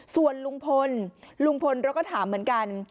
ส่วนลุงพลลุงพลเราก็ถามเหมือนกัน